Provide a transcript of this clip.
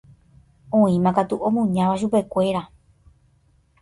Oĩmakatu omuñáva chupekuéra.